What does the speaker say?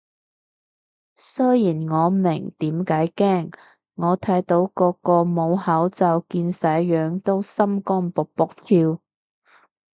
雖然我明點解驚，我睇到個個冇口罩見晒樣都心肝卜卜跳